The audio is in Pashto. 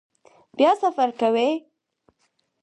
بیا سفر کوئ؟